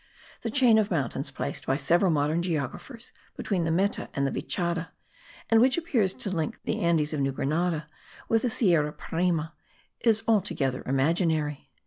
The chain of mountains placed by several modern geographers, between the Meta and the Vichada, and which appears to link the Andes of New Grenada with the Sierra Parime, is altogether imaginary.